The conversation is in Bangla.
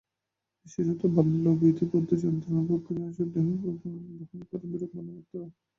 বিশেষত বাল্যাবধি বৈধব্যযন্ত্রণা ভোগ করিয়া অসার দেহভার বহন করা বিড়ম্বনামাত্র।